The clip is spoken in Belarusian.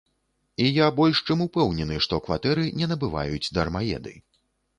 І я больш чым упэўнены, што кватэры не набываюць дармаеды.